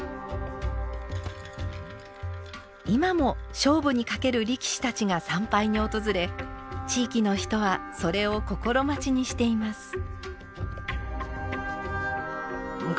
今も勝負にかける力士たちが参拝に訪れ地域の人はそれを心待ちにしています。